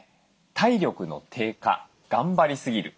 体力の低下・頑張りすぎる。